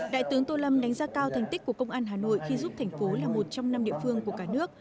đại tướng tô lâm đánh giá cao thành tích của công an hà nội khi giúp thành phố là một trong năm địa phương của cả nước